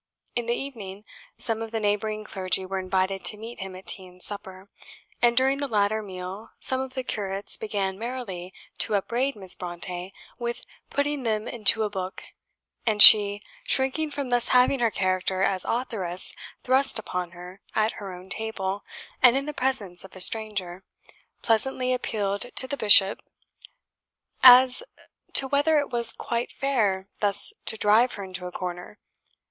In the evening, some of the neighbouring clergy were invited to meet him at tea and supper; and during the latter meal, some of the "curates" began merrily to upbraid Miss Brontë with "putting them into a book;" and she, shrinking from thus having her character as authoress thrust upon her at her own table, and in the presence of a stranger, pleasantly appealed to the bishop as to whether it was quite fair thus to drive her, into a corner.